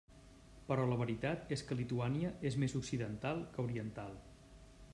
Però la veritat és que Lituània és més occidental que oriental.